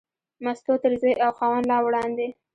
مستو تر زوی او خاوند لا وړاندې.